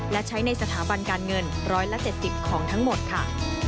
และใช้ในสถาบันการเงิน๑๗๐ของทั้งหมดค่ะ